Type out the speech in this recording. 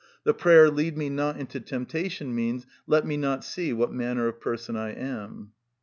The prayer, "Lead me not into temptation," means, "Let me not see what manner of person I am."